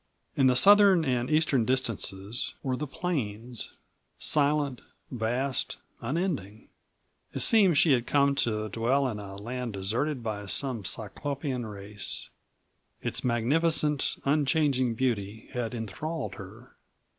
In the southern and eastern distances were the plains, silent, vast, unending. It seemed she had come to dwell in a land deserted by some cyclopean race. Its magnificent, unchanging beauty had enthralled her.